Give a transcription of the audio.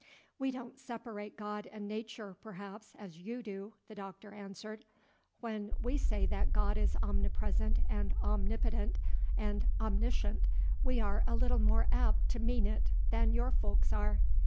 "We don't separate God and Nature, perhaps, as you do," the Doctor answered. "When we say that God is omnipresent and omnipotent and omniscient, we are a little more apt to mean it than your folks are.